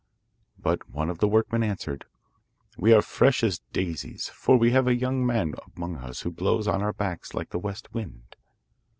But one of the workmen answered: 'We are as fresh as daisies, for we have a young man among us who blows on our backs like the west wind.